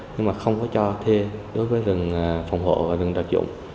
nhưng mà không có cho thuê đối với rừng phòng hộ và rừng đặc dụng